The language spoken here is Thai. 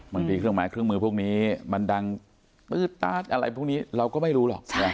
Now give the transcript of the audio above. เครื่องไม้เครื่องมือพวกนี้มันดังตื๊ดตาร์ดอะไรพวกนี้เราก็ไม่รู้หรอก